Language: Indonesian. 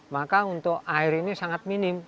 maka untuk air ini sangat minim